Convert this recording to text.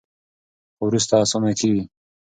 خو وروسته اسانه کیږي.